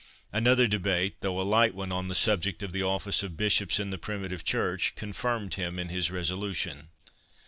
Another debate, though a light one, on the subject of the office of Bishops in the Primitive Church, confirmed him in his resolution.